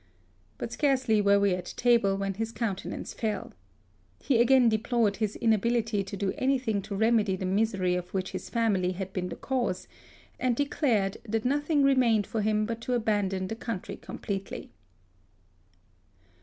But scarcely were we at table when his counte nance fell. He again deplored his inability to do anything to remedy the misery of which his family had been the cause, and declared that nothing remained for him but to abandon the country completely.